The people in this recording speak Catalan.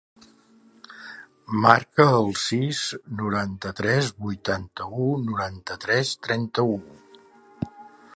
Marca el sis, noranta-tres, vuitanta-u, noranta-tres, trenta-u.